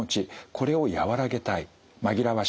これを和らげたい紛らわしたい